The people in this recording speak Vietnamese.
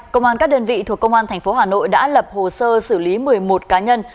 công an các đơn vị thuộc công an tp hà nội đã lập hồ sơ xử lý một mươi một cá nhân